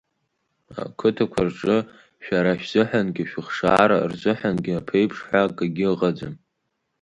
Ақыҭақәарҿы шәара шәзыҳәангьы шәыхшаара рзыҳәангьы аԥеиԥш ҳәа акагьы ыҟаӡам.